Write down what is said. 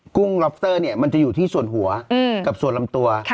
กุ้งล็อปเตอร์เนี่ยมันจะอยู่ที่ส่วนหัวกับส่วนลำตัว